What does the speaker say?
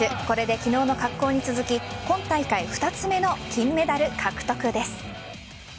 これで昨日の滑降に続き今大会２つ目の金メダル獲得です。